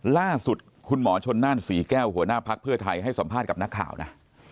ล่าสุดคุณหมอชนนั่นศรีแก้วหัวหน้าภักดิ์เพื่อไทยให้สัมภาษณ์กับนักข่าวนะ